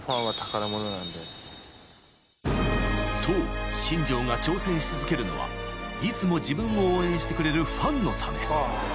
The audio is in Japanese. ［そう新庄が挑戦し続けるのはいつも自分を応援してくれるファンのため］